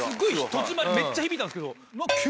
途中までめっちゃ響いたんですけど。